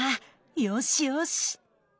よしよし。